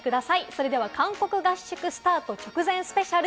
それでは韓国合宿スタート直前スペシャル！